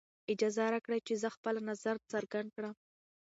اجازه راکړئ چې زه خپله نظر څرګند کړم.